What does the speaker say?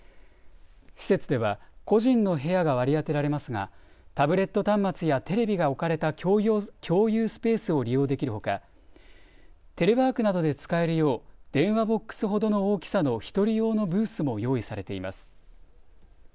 施設では個人の部屋が割り当てられますがタブレット端末やテレビが置かれた共有スペースを利用できるほかテレワークなどで使えるよう電話ボックスほどの大きさの１人用のブースも用意されています。